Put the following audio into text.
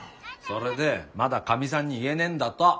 それでまだかみさんに言えねえんだと。